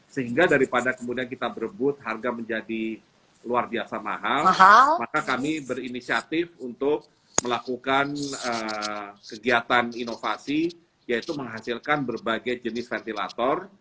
sehingga daripada kemudian kita berebut harga menjadi luar biasa mahal maka kami berinisiatif untuk melakukan kegiatan inovasi yaitu menghasilkan berbagai jenis ventilator